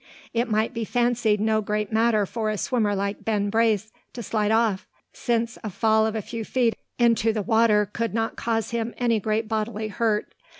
It might be fancied no great matter for a swimmer like Ben Braco to slide off: since a fall of a few feet into the water could not cause him any great bodily hurt.